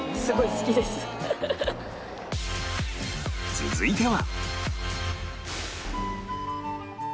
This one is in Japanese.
続いては